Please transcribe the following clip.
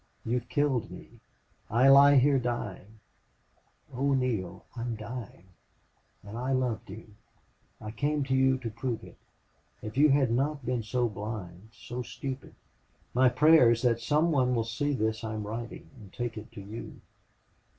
You've killed me. I lie here dying. Oh, Neale! I'm dying and I loved you. I came to you to prove it. If you had not been so blind so stupid! My prayer is that some one will see this I'm writing and take it to you.